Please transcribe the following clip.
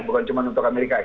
bukan cuma untuk amerika